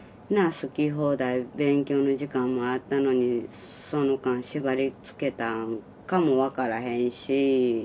好き放題勉強の時間もあったのにその間縛りつけたんかも分からへんし。